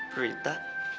pr pr prita